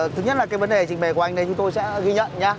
thứ nhất là cái vấn đề trình bày của anh này chúng tôi sẽ ghi nhận nhá